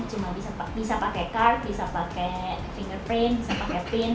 cuma bisa pakai card bisa pakai fingerprint bisa pakai pin